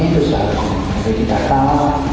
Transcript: jadi kita kalah